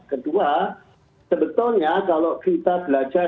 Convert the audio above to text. kedua sebetulnya kalau kita belajar